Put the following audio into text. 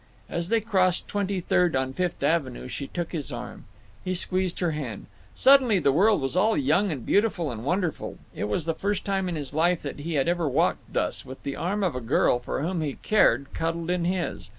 As they crossed Twenty third on Fifth Avenue she took his arm. He squeezed her hand. Suddenly the world was all young and beautiful and wonderful. It was the first time in his life that he had ever walked thus, with the arm of a girl for whom he cared cuddled in his.